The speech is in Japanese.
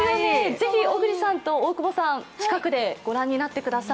是非、小栗さんと大久保さん近くで御覧になってください。